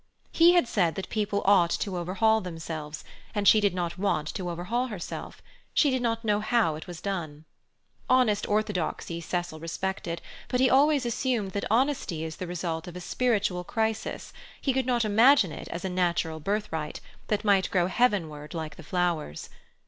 He had said that people ought to overhaul themselves, and she did not want to overhaul herself; she did not know it was done. Honest orthodoxy Cecil respected, but he always assumed that honesty is the result of a spiritual crisis; he could not imagine it as a natural birthright, that might grow heavenward like flowers.